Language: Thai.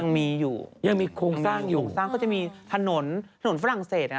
ยังมีอยู่ยังมีโครงสร้างอยู่โครงสร้างก็จะมีถนนถนนฝรั่งเศสอ่ะ